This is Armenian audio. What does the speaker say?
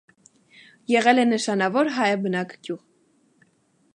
Եղել է նշանավոր հայաբնակ գյուղ։